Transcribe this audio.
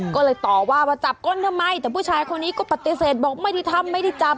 ก็เลยต่อว่าว่าจับก้นทำไมแต่ผู้ชายคนนี้ก็ปฏิเสธบอกไม่ได้ทำไม่ได้จับ